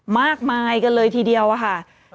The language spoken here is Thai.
มากมายกันเลยทีเดียวค่ะ